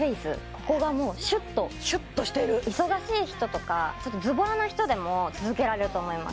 ここがもうシュッとシュッとしてる忙しい人とかズボラな人でも続けられると思います